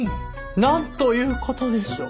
なんという事でしょう。